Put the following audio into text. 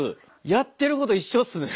やってること一緒っすね。